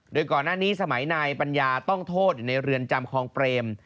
โดยก่อนหน้านี้สมัยนายปัญญาต้องโทษอยู่ในเรือนจำคลองเปรม